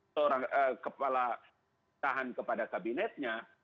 seorang kepala tahan kepada kabinetnya